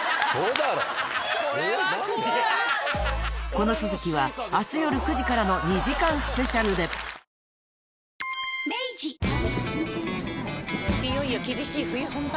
この続きは明日夜９時からの２時間ＳＰでいよいよ厳しい冬本番。